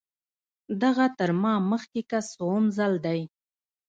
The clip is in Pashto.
دغه تر ما مخکې کس څووم ځل دی.